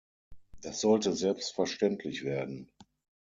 Das sollte selbstverständlich werden.